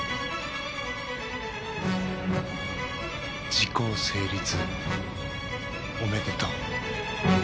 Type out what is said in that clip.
時効成立おめでとう。